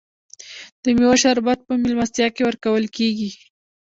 د میوو شربت په میلمستیا کې ورکول کیږي.